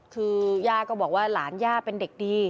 คือย่าก็บอกว่าหลานย่าเป็นเด็กดี